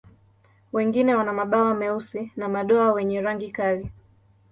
Wengine wana mabawa meusi na madoa wenye rangi kali.